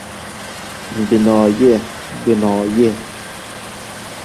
— Binoyi, binoyi!